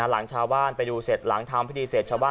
หลังชาวบ้านไปดูเขามาถึงที่ชาวบ้าน